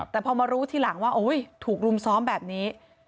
แต่พอมารู้ทีหลังว่าถูกรุมซ้อมแบบนี้